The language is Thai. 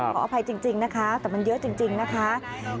ขออภัยจริงนะคะแต่มันเยอะจริงนะคะ